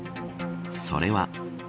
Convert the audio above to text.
それは。